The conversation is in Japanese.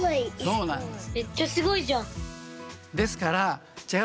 そうなんです。